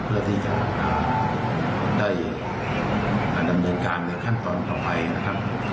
เพื่อที่จะได้ดำเนินการในขั้นตอนต่อไปนะครับ